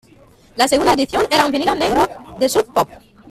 La segunda edición era un vinilo negro de Sub Pop.